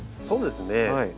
そうですね